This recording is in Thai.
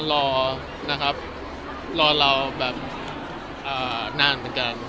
รอเรานานเพราะเพราะ